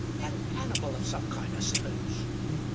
An animal of some kind, I suppose.